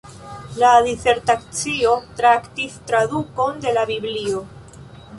La disertacio traktis tradukon de la biblio.